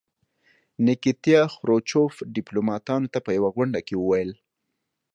نیکیتیا خروچوف ډیپلوماتانو ته په یوه غونډه کې وویل.